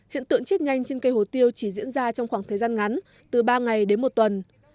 hiện tượng chết nhanh trên cây hồ tiêu chỉ diễn ra trong khoảng thời gian ngắn từ ba ngày đến một tuần